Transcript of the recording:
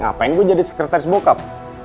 ngapain gue jadi sekretaris bokap